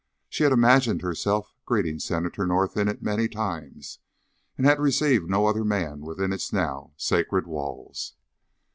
She had imagined herself greeting Senator North in it many times, and had received no other man within its now sacred walls.